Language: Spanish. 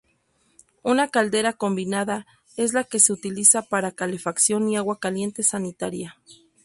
Una caldera combinada es la que se utiliza para calefacción y agua caliente sanitaria.